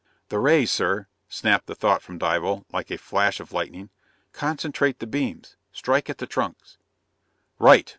"The rays, sir!" snapped the thought from Dival, like a flash of lightning. "Concentrate the beams strike at the trunks " "Right!"